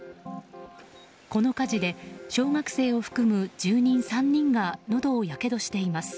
この火事で小学生を含む住民３人がのどをやけどしています。